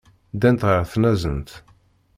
Ddant ɣer tnazent.